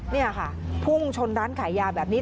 นี่ค่ะพุ่งชนร้านขายยาแบบนี้